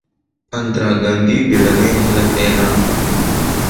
اندرا ګاندي بیړنی حالت اعلان کړ.